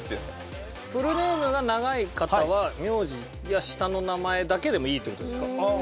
フルネームが長い方は名字や下の名前だけでもいいって事ですか？